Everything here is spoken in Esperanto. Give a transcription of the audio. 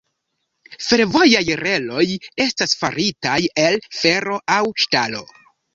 Fervojaj reloj estas faritaj el fero aŭ ŝtalo.